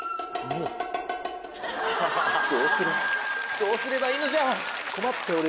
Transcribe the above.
どうすればいいのじゃ⁉